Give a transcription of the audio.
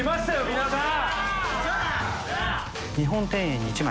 皆さん。